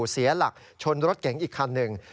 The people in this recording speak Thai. เสียหลักชนรถเก๋งอีกคันหนึ่ง